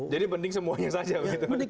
jadi penting semuanya saja begitu